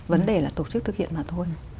vấn đề là tổ chức thực hiện mà thôi